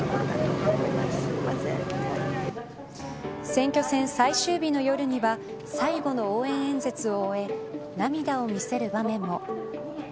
選挙戦最終日の夜には最後の応援演説を終え涙を見せる場面も。